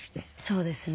そうですね。